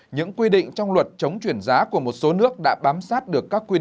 những quy định trong luật chống chuyển giá của một số nước đã bám sát được các quy định